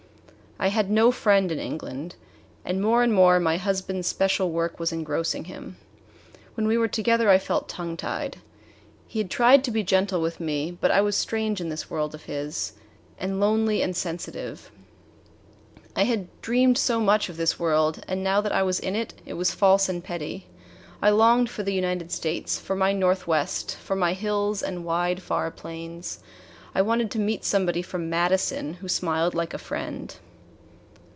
I had no friend in England, and more and more my husband's special work was engrossing him. When we were together I felt tongue tied. He had tried to be gentle with me; but I was strange in this world of his, and lonely and sensitive. I had dreamed so much of this world, and now that I was in it, it was false and petty. I longed for the United States, for my Northwest, for my hills and wide, far plains. I wanted to meet somebody from Madison who smiled like a friend.